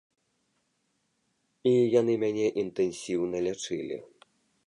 І яны мяне інтэнсіўна лячылі.